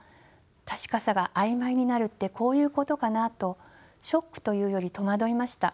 確かさが曖昧になるってこういうことかな」とショックというより戸惑いました。